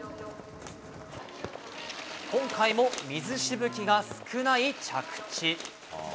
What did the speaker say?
今回も水しぶきが少ない着地。